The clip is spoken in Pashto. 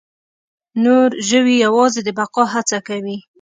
نور ژوي یواځې د بقا هڅه کوي.